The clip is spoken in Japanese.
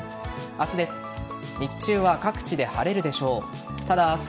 明日です。